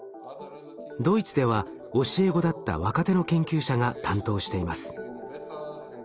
ドイツでは教え子だった若手の研究者が担当しています。